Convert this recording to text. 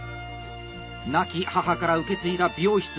亡き母から受け継いだ美容室。